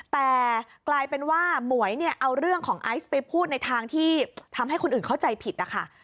แต่กลายเป็นว่าหมวยเนี่ยเอาเรื่องของไอซ์ไปพูดในทางที่ทำให้คนอื่นเข้าใจผิดนะคะ